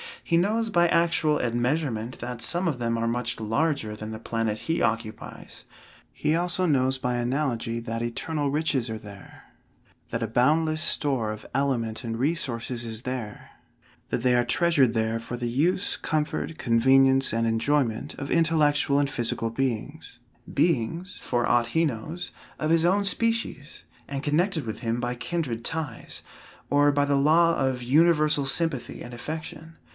He knows by actual admeasurement that some of them are much larger than the planet he occupies. He also knows by analogy that eternal riches are there; that a boundless store of element and resources is there; that they are treasured there for the use, comfort, convenience, and enjoyment, of intellectual and physical beings beings, for aught he knows, of his own species, and connected with him by kindred ties, or by the law of universal sympathy and affection.